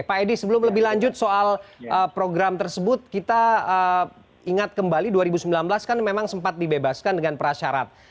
pak edi sebelum lebih lanjut soal program tersebut kita ingat kembali dua ribu sembilan belas kan memang sempat dibebaskan dengan prasyarat